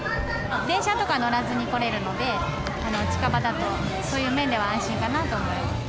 電車とか乗らずに来れるので、近場だと、そういう面では安心かなと思います。